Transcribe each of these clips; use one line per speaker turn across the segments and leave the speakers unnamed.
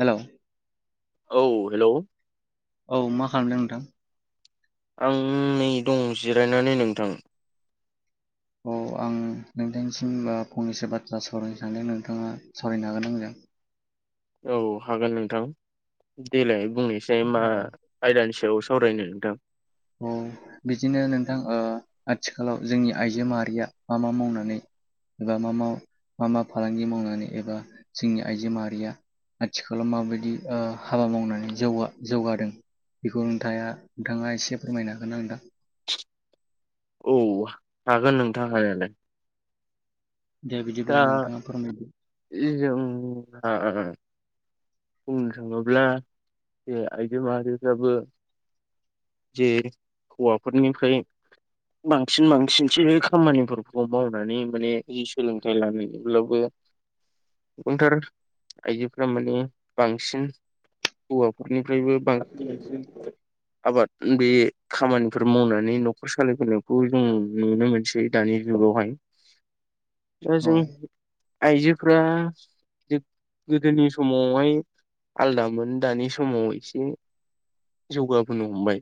हेल'
औ हेलौ
औ मा खालामदों नोंथां?
औ आं नै दं जिरायनानै नोंथां
औ आं नोंथांनिसिम बा फंनैसो बाथ्रा सावरायनो सान्दों नोंथाङा सावरायनो हागोन आंजों
औ हागोन नोंथां देलाय बुंनायसाय मा
औ
आयदानि सायाव सावरायनो नोंथां
ओ बिदिनो नोंथां ओ आथिखालाव जोंनि आइजो माहारिया मा मा मावनानै एबा मा मा मा मा फालांगि मावनानै एबा जोंनि आइजो माहारिया आथिखालाव माबायदि ओ हाबा मावनानै जौगा जौगादों बेखौ नोंथाया नोंथाङा एसे फोरमायना हागोना नोंथां
औ हा-हागोन नोंथा हानायालाय
दे बिदिब्ला नोंथाङा फोरमायदो
ए जों खा बुंनो थाङोब्ला बे आइजो माहारिफ्राबो जे हौवाफोरनिफ्राय बांसिन बांसिनसो खामानिफोरखौ मावनानै माने जि सोलोंथाइ लानायनिब्लाबो
[inaudible]
गोबांथार आइजोफोरा माने बांसिन हौवाफोरनिफ्रायबो बांसिन आबाद बे खामानिफोर मावनानै न'खर सालायफैनायखौ जों नुनो मोनसै दानि जुगावहाय
[inaudible]
दा
औ
जों आइजोफोरा गोदोनि समावहाय आलदामोन दानि समाव एसे जौगाबोनो हमबाय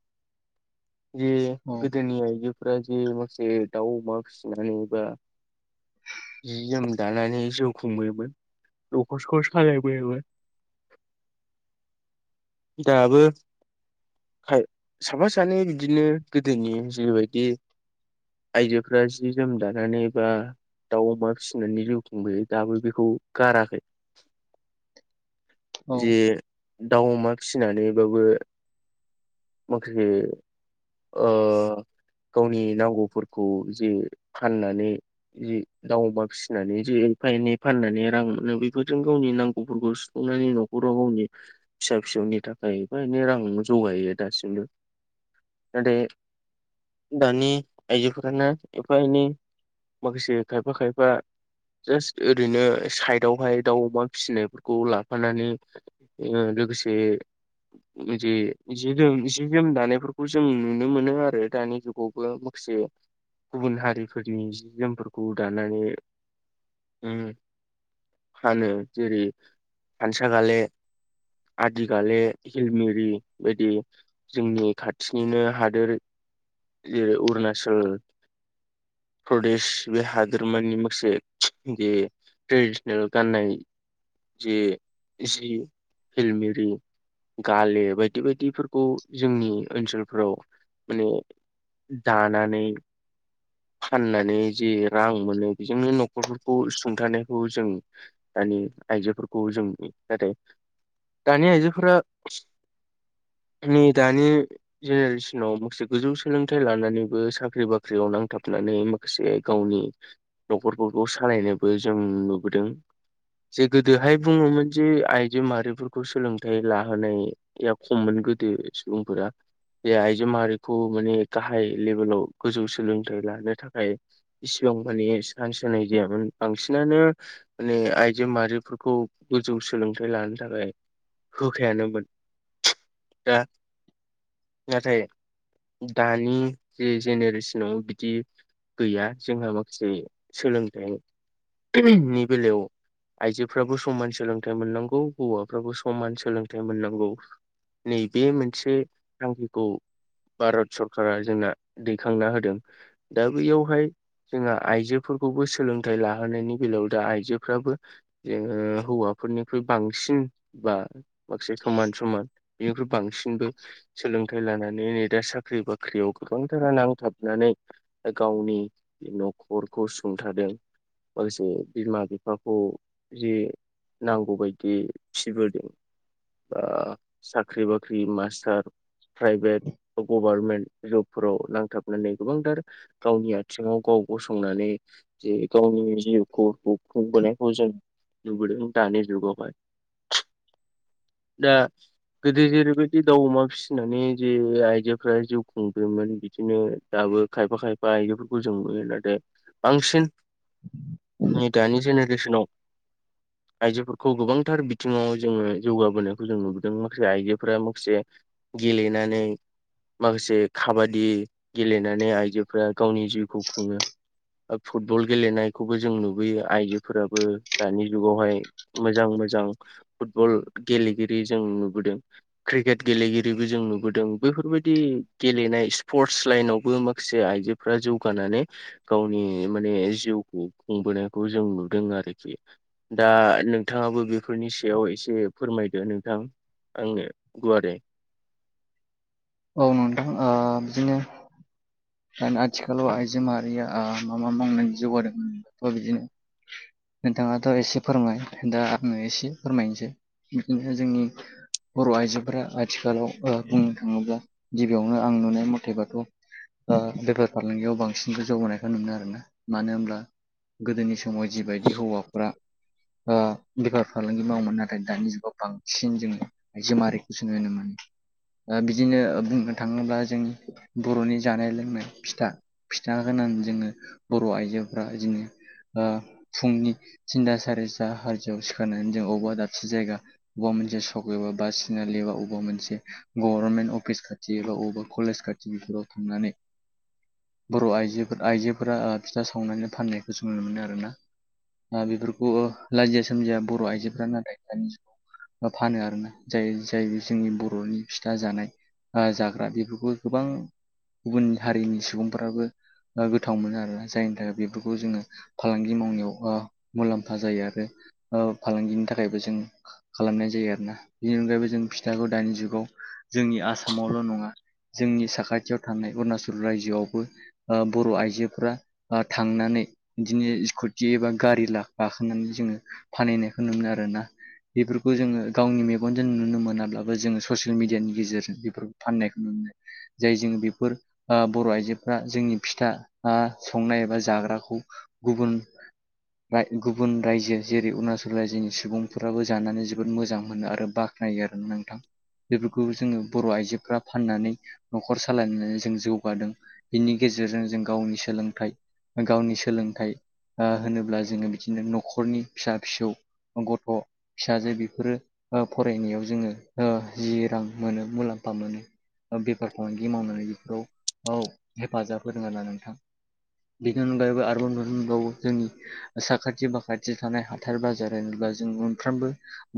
[inaudible]
जे
औ
गोदोनि आइजोफोरा जि माखासे दाउ अमा फिसिनानै बा जि जोम दानानै जिउ खुंबोयोमोन न'खर सखौ सालायबोयोमोन
[inaudible]
दाबो खाय साफा सानै इदिनो गोदोनि जिबायदि आइजोफोरा जि जोम दानानै बा दाउ अमा फिसिनानैनि जिउ खुंबोयो दाबो बेखौ गाराखै
औ
जे दाउ अमा फिसिनानैबाबो माखासे ओ गावनि नांगौफोरखौ जि फाननानै जि दाउ अमा फिसिनानै जि एफा एनै फाननानै रां मोनो बेफोरजों गावनि नांगौफोरखौ सु फुंनानै नखराव गावनि फिसा फिसौनि थाखाय एफा एनै रां जौगायो दासिमबो नाथाय दानि आयजोफोरानो एफा एनि माखासे खायफा खायफा जास्ट ओरैनो साइदावहाय दाउ अमा फिसिनायफोरखौ ला फानानै ओ लोगोसे जे जि जोम जि जोम दानायफोरखौ जों नुनो मोनो आरो दानि जुगाव बो माखासे गुबुन हारिफोरनि जि जोमफोरखौ दानानै उ फानो जेरै हानसा गाले आदि गाले हिलमेरि बायदि। जोंनि खाथिनिनो हादोर ओ अरुणाचल प्रदेश बे हादोरमानि माखासे बे ट्रेडिसनेल गाननाय जे जि हिलमेरि गाले बायदि बायदिफोरखौ जोंनि ओनसोलफोराव माने दानानै फाननानै जे रां मोनो बेजोंनो नख खरफोरखौ सुंथानायखौ जों दानि आइजोफोरखौ जों नुयो आरो। दानि आइजोफोरा [inaudible] दानि जेनेरेसनाव माखासे गोजौ सोलोंथाइ लानानैबो साख्रि बाख्रियाव नांथाब नानै माखासे गावनि न'खरफोरखौ सालायनायबो जों नुबोदों। जे गोदोहाय बुङोमोन जे आइजो माहारिफोरखौ सोलोंथाइ लाहोनाय या खममोन गोदो सुबुंफोरा। जे आइजो माहारिखौ माने गाहाय लेभेलाव गोजौ सोलोंथाइ लानो थाखाय इसिबां माने सान्स होनाय जायामोन बांसिनानो माने आइजो माहारिफोरखौ गोजौ सोलोंथाइ लानो थाखाय होखायानोमोन दा नाथाय दानि जे जेनेरेसनाव दि गैया जोंहा माखासे सोलोंथाइनि बेलायाव आइजोफ्राबो समान सोलोंथाइ मोननांगौ हौवाफ्राबो समान सोलोंथाइ मोननांगौ। नै बे मोनसे थांखिखौ भारत सरकारा जोंना दैखांना होदों दा बेैयावहाय जोंहा आइजोफोरखौबो सोलोंथाइ लाहोनायनि बेलायाव दा आइजोफ्राबो जोङो हौवाफोरनिख्रुइ बांसिन बा माखासे समान समान बेनिख्रुइ बांसिनबो सोलोंथा लानानै नै दा साख्रि बाख्रियाव गोबांथारा नांथाबनानै गावनि न'खरखौ सुंथादों। [unintelligible] बिमा बिफाखौ जि नांगौबायदि फिबोदों बा साख्रि बाख्रि मास्टार प्राइभेट बा गभारमेन्ट जबफोराव नांथाबनानै गोबांथार गावनि आथिङाव गाव गसंनानै जे गावनि जिउखौ खु-खुंबोनायखौ जों नुबोदों दानि जुगावहाय। दा गोदो जेरैबायदि दाउ अमा फिसिनानै जे आइजोफोरा जिउ खुंदोंमोन बिदिनो दाबो खायफा खायफा आइजोफोरखौ जों नुयो नाथाय बांसिन नै दानि जेनेरेसनाव आइजोफोरखौ गोबांथार बिद [unintelligible] जोङो जौगाबोनायखौ जों नुबोदों। बिसोर आइजोफोरा माखासे गेलेनानै माखासे खाबादि गेलेनानै आइजोफोरा गावनि जिउखौ खुङो। ओ फुटबल गेलेनायखौबो जों नुबोयो आइजोफोराबो दानि जुगावहाय। मोजां मोजां फुटबल गेलेगिरि जों नुबोदों। क्रिकेट गेलेगिरिबो जों नुबोदों बेैफोरबायदि गेलेनाय स्पर्टस [unintelligible] माखासे आइजोफोरा जौगानानै गावनि माने जिउखौ खुंबोनायखौ जों नुदों आरोखि। दा नोंथाङाबो बेफोरनि सायाव एसे फोरमायदो नोंथां। आंनो गुवारै
औ नोंथां ओ बिदिनो दान आथिखालाव आइजो माहारिया आ मा मा मावनानै जौगादों थ' बिदिनो नोंथाङाथ' एसे फोरमाय दा आङो एसे फोरमायनोसै बिदिनो जोंनि बर' आइजोफोरा आथिखालाव ओ बुंनो थाङोब्ला गिबियावनो आं नुनाय मथेबाथ' ओ बेफार फालांगियाव बांसिन जौगानायखौ नुनो आरोना मानो होनोमब्ला गोदोनि समाव जिबायदि हौवाफ्रा ओ बेफार फालांगि मावोमोन नाथाय दानि जुगाव बांसिन जोङो आयजो मारैखौ [unintelligible] ओ बिदिनो ओ बुंनो थाङोब्ला जोंनि बर'नि जानाय लोंनाय फिथा फिथा होनान जोङो बर' आइजोफ्रा इदिनो ओ फुंनि थिनथा सारिथा हाजोआव सिखारनानै जों अबा दाबसे जायगा अबा मोनसे सक एबा बासिनालि एबा मोनसे गरमेन अ फिस खाथि एबा अबबा कलेज खाथिफोराव थांनानै बर' आइजोफोर आइजोफोरा ओ फिथा सावनानै फाननायखौ जों नुनो मोनो आरोना। ओ बेफोरखौ लाजिया सोमजिया बर' आइजोफोरा नाथाय दानि जु फानो आरोना जाय जाय जोंनि बर'नि फिथा जानाय आ जाग्रा बेफोरखौ गोबां गुबुन हारिनि सुबुंफोराबो ओ गोथाव मोनो आरो जायनि थाखाय बेफोरखौ जोङो फालांगि मावनायाव ओ मुलाम्फा जायो आरो ओ फालांगिनि थाखायबो जों खालामनाय जायो आरोना बेनि अनगायैबो जों फिथाखौ दानि जुगाव जोंनि आसामावल' नङा जोंनि साखाथियाव थानाय अरुणचल राइजोआवबो ओ बर' आइजोफ्रा आ थांनानै बिदिनो स्कुटि एबा गारि ला गाखोनानै जोङो फानहैनायखौ नुयो आरो ना। बेफोरखौ जोङो गावनि मेगनजों नुनो मोनाब्लाबो जोङो ससियेल मिडियानि गेजेरजों फोर फाननायखौ नुनो जाय जों बेफोर ओ बर' आइजोफ्रा जोंनि फिथा आ संनाय एबा जाग्राखौ गुबुन फ्राय गुबुन रायजो जेरै अरुणाचल रायजोनि सुबुंफोराबो जानानै जोबोद मोजां मोनो आरो बा थायो आरोना नोंथां बेफोरखौबो जोङो बर' आइजोफ्रा फाननानै न'खर सालायनानै जों जौगादों बिनि गेजेरजों जों गावनि सोलोंथाइ, गावनि सोलोंथाइ आ होनोब्ला जोङो बिदिनो न'खरनि फिसा फिसौ गथ' फिसाजो बेफोरो ओ फरायनायाव जोङो ओ जि रां मोनो मुलाम्फा मोनो बेफार फालांगि मावनानै बेफोराव ओव हेफाजाब होदों आरोना नोंथां बेनि अनगायैबो आरोबाव नुनो मोनबावो जोंनि साखाथि बाखाथि थानाय हाब थार बाजार होनोब्ला जों मोनफ्रोमबो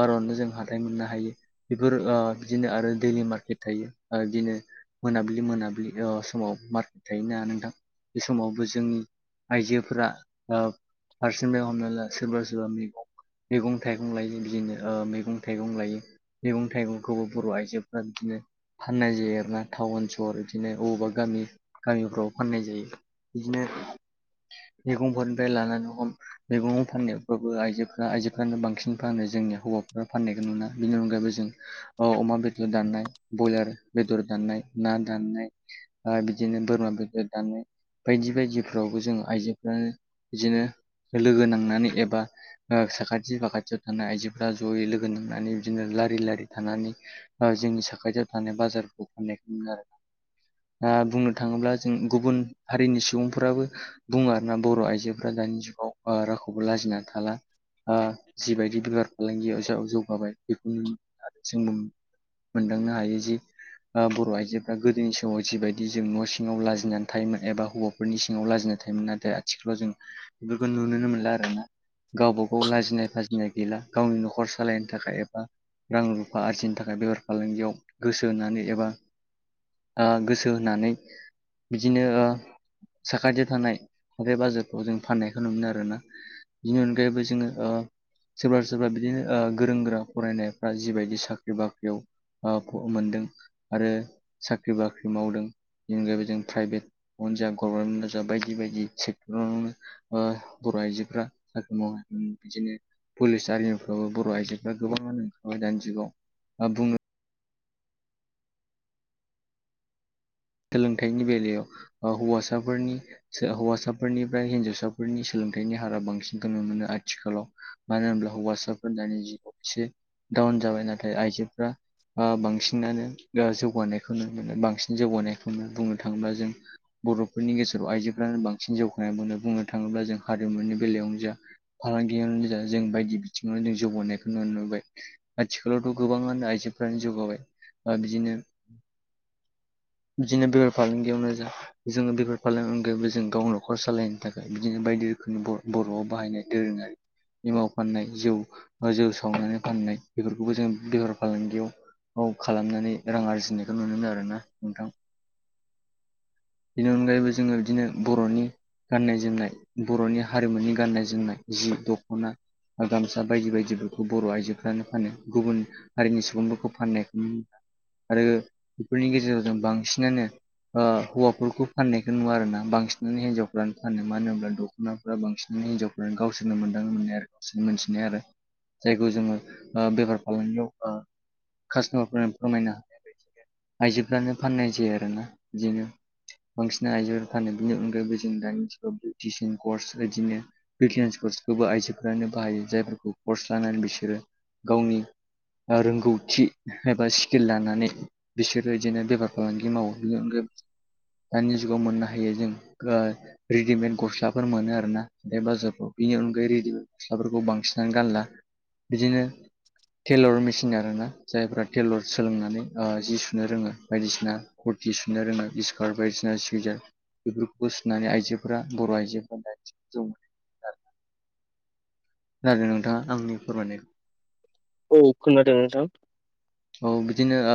बारननो जों हाथाय मोननो हायो बेफोर ओ बिदिनो आरो दैलि मार्केट थायो आ बिदिनो मोनाबिलि मोनाबिलि ओ समाव मार्केट थायो ना नोंथां बे समावबो जोंनि आइजोफोरा ओ फारसेनिफाय हमना ला सोरबा सोरबा मैगं मैगं थाइगं लायो बिदिनो ओ मैगं थाइगं लायो मैगं थाइगंखौबो बर' आइजो ओ बिदिनो फाननाय जायो आरो ना टाउन सहर इदिनो बबावबा गामि गामिफ्राव फाननाय जायो इदिनो मैगंफोरनिफ्राय लानानै हम मैगं फाननायफ्राबबो आइजोफ्रा आइजोफ्रानो बांसिन फानो जोंनि हौवाफ्रा फाननायखौ नुना बेनि अनगायैबो जों औ अमा बेदर दाननाय बयलार बेदर दाननाय ना दाननाय ओ बिदिनो बोरमा बेदर दाननाय बायदि बायदिफ्रावबो जों आइजोफ्रानो इदिनो लोगो नांनानै एबा ओ साखाथि बाखाथियाव थानाय आइजोफ्रा जयै लोगो नांनानै बिदिनो लारि लारि थानानै ओ जोंनि साखाथियाव थानाय बाजारखौ फाननायखौ मोनो आरो ओ बुंनो थाङोब्ला जों गुबुन हारिनि सुबुंफोराबो बुङो आरोना बर' आइजोफोरा दानि जुगाव ओ रावखौबो लाजिना थाला। ओ जिबायदि बेफार फालांगिया ज जौगाबाय बेखौ आरो जों बुं मोनदांनो हायो जि ओ बर' आइजोफ्रा गोदोनि समाव जिबायदि जों न' सिङाव लाजिनानै थायोमोन एबा हौवा फोरनि सिङाव लाजिनानै थायोमोन नाथाय आथिखालाव जों बेफोरखौ नुनोनो मोनला आरोना। गावबा गाव लाजिनाय फाजिनाय गैला गावनि न'खर सालायनो थाखाय एबा रां रुफा आरजिनो थाखाय बेफार फालांगियाव गोसो होनानै एबा ओ गोसो होनानै बिदिनो ओ साखाथियाव थानाय बे बाजारखौ जों फाननायखौ नुनो मोनो आरोना। बिनि अनगायैबो जोङो ओ सोरबा सोरबा बिदिनो ओ गोरों गोरा फरायनायफ्रा जिबायदि साख्रि बाख्रियाव ओ मोनदों आरो साख्रि बाख्रि मावदों बेनिगायैबो जों प्राइभेट उनजा गभमेन्ट जब बायदि बायदि [unintelligible] ओ बर' आइजोफोरा साख्रि मावनाय बिदिनो पुलिस आर्मिफ्रावबो बर' आइजोफोरा गोबाङानो ओंखारबाय दानि जुगाव दा बुंनो सोलोंथाइनि बेलायाव ओ हौवासाफोरनि हौवासाफोरनिफ्राय हिन्जावसाफोरनि सोलोंथाइनि हारा बांसिनखौ नु मोनो आथिखालाव। मानो होनब्ला हौवासाफोर दानि जुगाव एसे डाउन जाबाय नाथाय आइजोफ्रा ओ बांसिनानो दा जौगानायखौ नुनो मोनो बांसिन जौगानायखौनो बुंनो थाङोब्ला जों बर'फोरनि गेजेराव आइजोफ्रानो बांसिन जौगानाय मोनो बुंनो थाङोब्ला जों हारिमुनि बेलायावनो जा फालांगियावनो जा जों बायदि बिथिङावनो जों जौगानायखौ नुनो मोनबाय। आथिखालावथ' गोबाङानो आइजोफ्रानो जौगाबाय दा बिदिनो बिदिनो बेफार फालांगियावनो जों जोङो बेफोर फालांगियावबो जों गाव न'खर सालायनो थाखाय बिदिनो बायदि रोखोमनि बर बर'आव बाहायनाय दोरोङारि एमाव फाननाय जौ जौ सावनानै फाननाय बेफोरखौबो जों बेफार फालांगियाव खौ खालामनानै रां आरजिनायखौ नुनो मोनो आरो ना नोंथां। बेनि अनगायैबो जोङो बिदिनो बर'नि गाननाय जोमनाय बर'नि हारिमुनि गाननाय जोमनाय जि दख'ना ओ गामसा बायदि बायदिफोरखौ बर' आइजोफ्रानो फानो गुबुन हारिनि सुबुंफोरखौ फाननाय आरो बेफोरनि गेजेराव जों बांसिनानो ओ हौवाफोरखौ फाननायखौ नुवा आरो ना बांसिनानो हिन्जावफ्रानो फानो मानो होनब्ला द खनाफोरा बांसिनानो हिनजावफ्रानो गावसोरनो मोनदां मोननाय आरो गावसोरनो मोनथिनाय आरो। जायखौ जोङो ओ बेफार फालांगियाव ओ कास्ट'मारफोर फोरमायनो हानाय बायदि। आइजोफ्रानो फाननाय जायो आरोना बिदिनो। बांसिन आइजोफोर फानो बेनि अनगायैबो जों दानि दिनाव टिउसन कर्स बिदिनो [unintelligible] कर्सखौबो आइजोफोरानो बाहायो जायफोरखौ कर्स लानानै बिसोरो गावनि ओ रोंगौथि एबा स्केल लानानै बिसोरो बिदिनो बेफार ओ गेमाव दानि जुगाव मोननो हायो जों [unintelligible] रेडिमेद गस्लाफोर मोनो आरो ना बे बाजारफ्राव बिनि अनगायै रेडिमेद गस्लाफोरखौ बांसिनानो गानला बिदिनो टेलर मेसिन आरोना जायफ्रा टेलर सोलोंनानै ओ जि सुनो रोङो। बायदिसिना कुरथि सुनो रोङो स्कार्ट बायदिसिना सुयजार बेफोरखौ सुनानै आइजोफोरा बर' आइजोफोरा [unintelligible] जौ खोनादों नोंथाङा आंनि फोरमायनायखौ?
औ खोनादों नोंथां।
औ बिदिनो ओ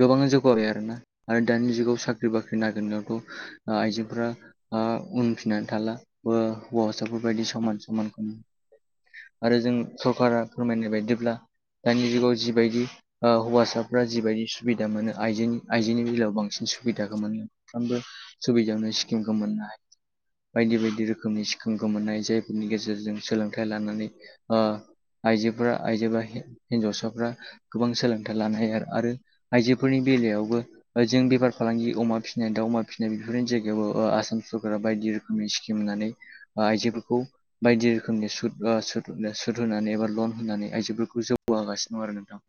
गोबाङानो जौगाबाय आरोना आरो दानि जुगाव साख्रि बाख्रि नागिरनायाथ' ओ आइजोफोरा ओ उनफिननानै थाला ओ हौवासाफोरबायदि समान समान। आरो जों सरकारा फोरमायनाय बायदिब्ला दानि जुगाव जिबायदि ओ हौवासाफ्रा जिबायदि सुबिदा मोनो आइजोनि आइजोनि बेलायाव बांसिन सुबिदाखौ मोनो। साफ्रोमबो सुबिदायावनो स्किमखौ मोननो हायो। बायदि बायदि रोखोमनि स्खिमखौ मोननाय जायफोरनि गेजेरजों सोलोंथाइ लानानै ओ आइजोफोरा आइजो बा हिन्जावसाफ्रा गोबां सोलोंथाइ लानो हायो आरो आरो आइजोफोरनि बेलायावबो जों बेफार फालांगि अमा फिसिनाय दाउ अमा फिसिनाय बेफोरनि जायगायाव ओ आसाम सरकारा बायदि रोख रोखोमनि स्किम होननानै आइजोफोरखौ बायदि रोखोमनि सुद ओ सुद सुद होनानै एबा लन होनानै आइजोफोरखौ जौगा होगासिनो दं आरो नोंथां।